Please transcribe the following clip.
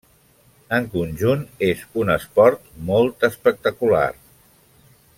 En conjunt és un esport molt espectacular.